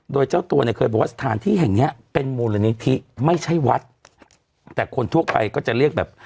โดยเจ้าตัวเนี่ยเคยบอกว่าสถานที่แห่งเนี้ยเป็นมูลนิธิไม่ใช่วัดแต่คนทั่วไปก็จะเรียกแบบ